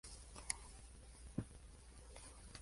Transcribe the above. Fue uno de los principales candidatos.